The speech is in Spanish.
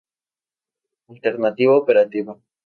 Alternativa operativa".